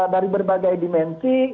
dari berbagai dimensi